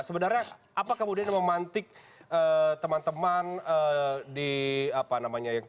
sebenarnya apa kemudian yang memantik teman teman di apa namanya